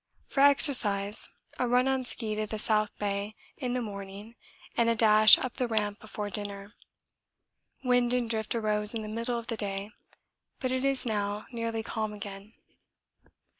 For exercise a run on ski to the South Bay in the morning and a dash up the Ramp before dinner. Wind and drift arose in the middle of the day, but it is now nearly calm again.